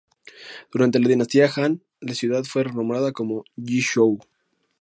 Durante la dinastía Han, la ciudad fue renombrada como "Yi Zhou".